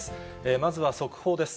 まずは速報です。